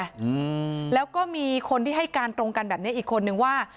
อืมแล้วก็มีคนที่ให้การตรงกันแบบเนี้ยอีกคนนึงว่า